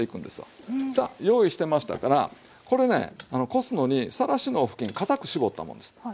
さあ用意してましたからこれねこすのにさらしの布巾固く絞ったものです。